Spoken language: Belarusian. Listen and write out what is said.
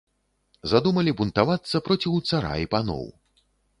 Задумалі бунтавацца проціў цара і паноў.